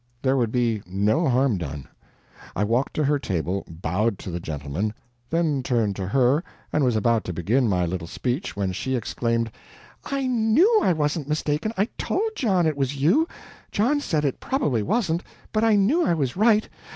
There would be no harm done. I walked to her table, bowed to the gentleman, then turned to her and was about to begin my little speech when she exclaimed: "I KNEW I wasn't mistaken I told John it was you! John said it probably wasn't, but I knew I was right.